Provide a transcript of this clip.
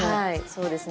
そうですね。